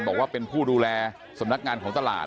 บอกว่าเป็นผู้ดูแลสำนักงานของตลาด